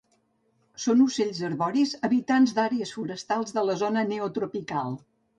Són ocells arboris, habitants d'àrees forestals de la zona neotropical.